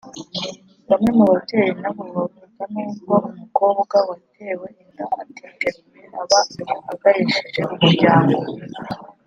Bamwe mu babyeyi na bo bavuga nubwo umukobwa watewe inda itateguwe aba agayishije umuryango